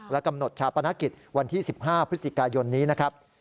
กำหนดชาปนกิจวันที่๑๕พฤศจิกายนนี้นะครับ